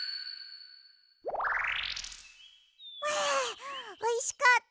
はあおいしかった！